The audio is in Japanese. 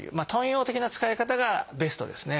頓用的な使い方がベストですね。